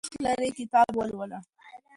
که ته وخت لرې کتاب ولوله.